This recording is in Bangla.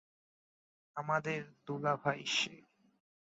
আমাদের দুলাভাই সে।